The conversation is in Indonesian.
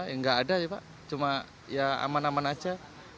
enggak ada pak cuma aman aman saja